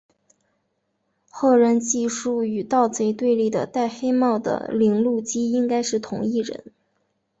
后人记述与盗贼对立的戴黑帽的铃鹿姬应该是同一人。